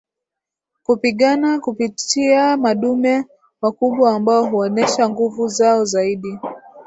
kupigana kupitia madume wakubwa ambao huonesha nguvu zao zaidi